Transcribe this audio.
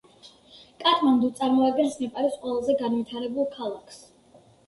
კატმანდუ წარმოადგენს ნეპალის ყველაზე განვითარებულ ქალაქს.